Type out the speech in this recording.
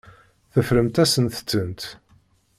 Teffremt-asent-tent.